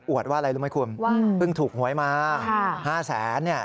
ว่าอะไรรู้ไหมคุณเพิ่งถูกหวยมา๕แสนเนี่ย